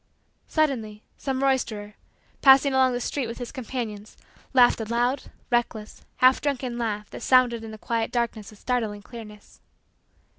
Suddenly, some roisterer, passing along the street with his companions, laughed a loud, reckless, half drunken, laugh that sounded in the quiet darkness with startling clearness.